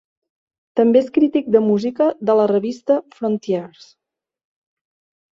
També és crític de música de la revista "Frontiers".